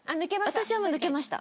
私はもう抜けました。